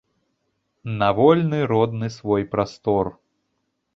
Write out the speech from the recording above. На вольны родны свой прастор.